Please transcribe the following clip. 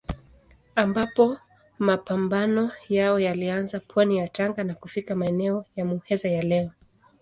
Ambapo mapambano yao yalianza pwani ya Tanga na kufika maeneo ya Muheza ya leo.